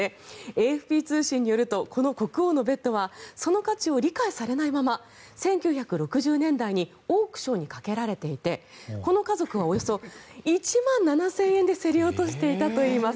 ＡＦＰ通信によるとこの国王のベッドはその価値を理解されないまま１９６０年代にオークションにかけられていてこの家族はおよそ１万７０００円で競り落としていたといいます。